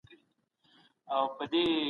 فکر کول له تقليد څخه ډېر ارزښت لري.